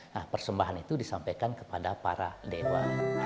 nah persembahan itu disampaikan kepada para dewa